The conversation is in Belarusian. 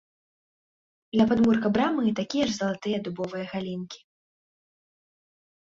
Ля падмурка брамы такія ж залатыя дубовыя галінкі.